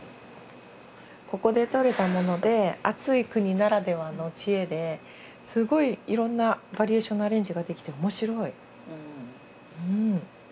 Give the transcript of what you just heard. ここでとれたもので暑い国ならではの知恵ですごいいろんなバリエーションのアレンジができて面白い。